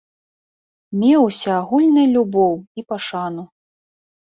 Меў усеагульнай любоў і пашану.